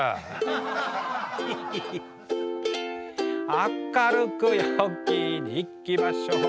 「明るく陽気にいきましょう」